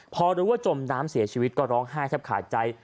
พอรู้ว่าจมน้ำเสียชีวิตก็ร้องไห้แทบขาดใจ